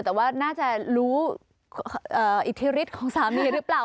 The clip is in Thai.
แต่ว่าน่าจะรู้อิทธิฤทธิของสามีหรือเปล่า